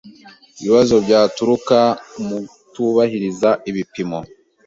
Ibibazo byaturuka mu kutubahiriza ibipimo